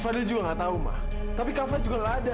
fadil juga gak tau ma tapi kava juga gak ada